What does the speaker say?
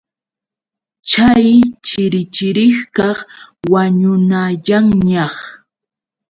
Chay chirichirikaq wañunayanñaq.